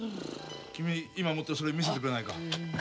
君今持ってるそれ見せてくれないか？